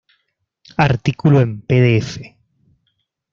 Artículo en pdf